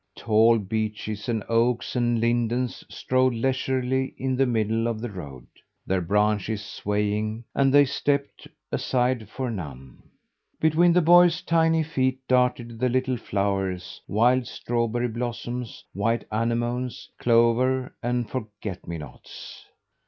Tall beeches and oaks and lindens strolled leisurely in the middle of the road, their branches swaying, and they stepped aside for none. Between the boy's tiny feet darted the little flowers wild strawberry blossoms, white anemones, clover, and forget me nots.